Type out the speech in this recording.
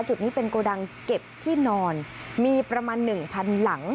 จุดนี้เป็นโกดังเก็บที่นอนมีประมาณหนึ่งพันหลัง